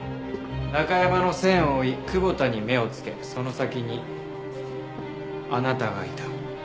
ナカヤマの線を追い久保田に目をつけその先にあなたがいた。